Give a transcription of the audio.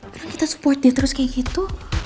karena kita support dia terus kayak gitu